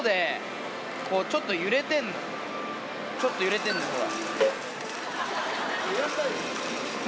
ちょっと揺れてんのよほら。